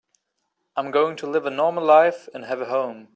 I'm going to live a normal life and have a home.